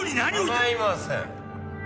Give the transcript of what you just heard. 構いません。